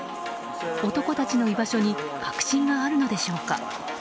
男たちの居場所に確信があるのでしょうか。